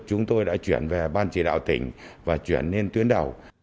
chúng tôi đã chuyển về ban chỉ đạo tỉnh và chuyển lên tuyến đầu